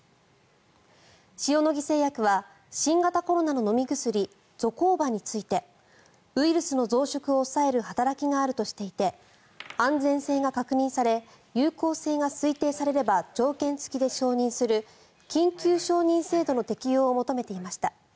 塩野義製薬は新型コロナの飲み薬ゾコーバについてウイルスの増殖を抑える働きがあるとしていて安全性が確認され有効性が推定されれば条件付きで承認する緊急承認制度の適用を求めていました。